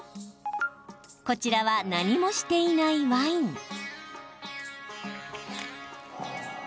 こちらは、何もしていないワイン。